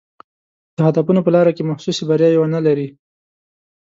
د هدفونو په لاره کې محسوسې بریاوې ونه لري.